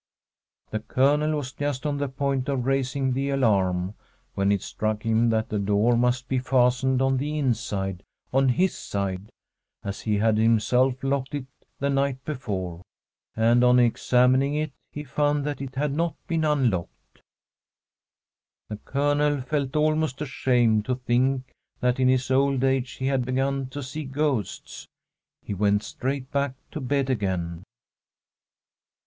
The Colonel was just on the point of raising the alarm, when it struck him that the door must be fastened on the inside, on his side, as he had him self locked it the night before ; and on examining it, he found that it had not been unlocked. The Colonel felt almost ashamed to think that in his old age he had beg^n to see ghosts. He went straight back to bed again.